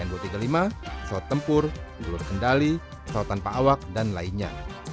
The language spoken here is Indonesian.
pembeli sejumlah alutsista seperti cn dua ratus tiga puluh lima pesawat tempur peluru kendali pesawat tanpa awak dan lainnya